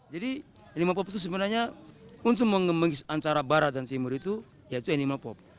jadi animal pop itu sebenarnya untuk mengembangkis antara barat dan timur itu ya itu animal pop